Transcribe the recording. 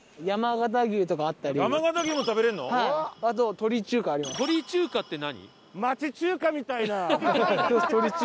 鳥中華って何？